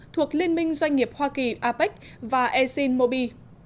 thuộc liên minh doanh nghiệp hoa kỳ apec và exinmobi